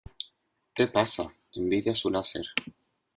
¿ Qué pasa? Envidia su láser.